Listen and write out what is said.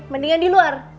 mendingan di luar